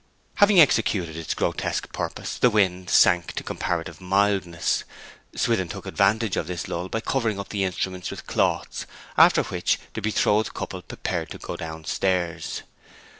Having executed its grotesque purpose the wind sank to comparative mildness. Swithin took advantage of this lull by covering up the instruments with cloths, after which the betrothed couple prepared to go downstairs.